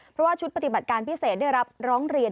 เพราะว่าชุดปฏิบัติการพิเศษได้รับร้องเรียน